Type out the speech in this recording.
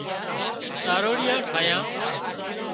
تاروڙيئان ٺاهيان